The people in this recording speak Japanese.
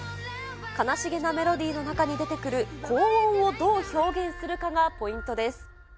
悲しげなメロディーの中に出てくる高音をどう表現するかがポイントです。